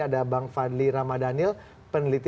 ada bang fadli ramadhanil peneliti